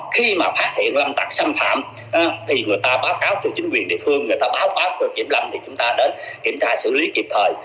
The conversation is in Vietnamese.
khi mà phát hiện lâm tặc xâm phạm thì người ta báo cáo cho chính quyền địa phương người ta báo cáo về kiểm lâm thì chúng ta đến kiểm tra xử lý kịp thời